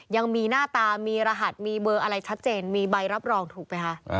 ยังมีหน้าตามีรหัสมีเบอร์อะไรชัดเจนมีใบรับรองถูกไหมคะ